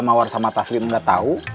mawar sama taslim gak tau